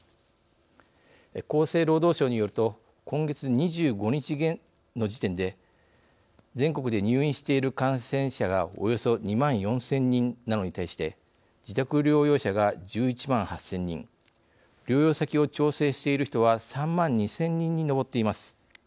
厚生労働省によると今月２５日の時点で全国で入院している感染者がおよそ２万４０００人なのに対して自宅療養者が、１１万８０００人療養先を調整している人は３万２０００人に上っています。